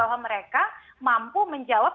bahwa mereka mampu menjawab